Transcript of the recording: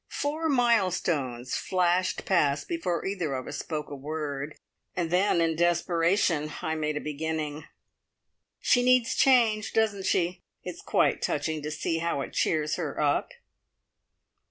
Four milestones flashed past before either of us spoke a word; then in desperation I made a beginning. "She needs change, doesn't she? It's quite touching to see how it cheers her up."